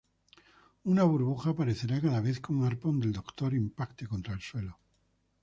Una burbuja aparecerá cada vez que un arpón del Doctor impacte contra el suelo.